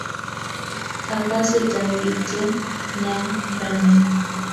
Akase takityen nea raini